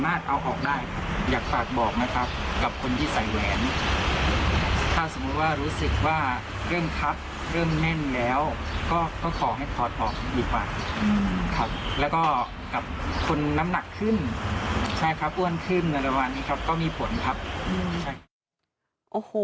แล้วก็กับคนน้ำหนักขึ้นอ้วนขึ้นในระหว่างนี้ก็มีผลครับ